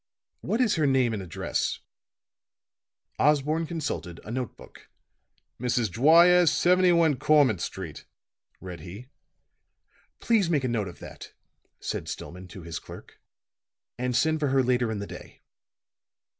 "What is her name and address?" Osborne consulted a note book. "Mrs. Dwyer, 71 Cormant Street," read he. "Please make a note of that," said Stillman to his clerk. "And send for her later in the day."